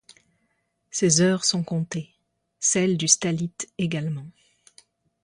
Ses heures sont comptées, celles du stallite également.